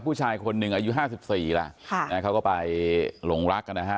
ผู้ชายคนนึงอายุห้าสิบสี่แล้วค่ะแล้วเขาก็ไปหลงรักนะฮะ